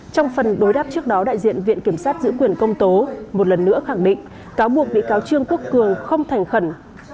trong phần đối đáp trước đó đại diện viện kiểm sát giữ quyền công tố một lần nữa khẳng định cáo buộc bị cáo trương quốc cường không thành khẩn